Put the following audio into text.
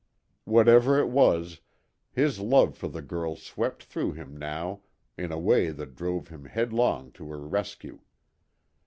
Whatever it was, his love for the girl swept through him now in a way that drove him headlong to her rescue.